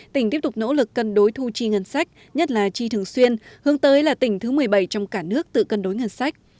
tỉnh tiếp tục nỗ lực cân đối thu chi ngân sách nhất là chi thường xuyên hướng tới là tỉnh thứ một mươi bảy trong cả nước tự cân đối ngân sách